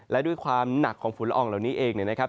และด้วยความหนักของฝุ่นละอองเหล่านี้เองเนี่ยนะครับ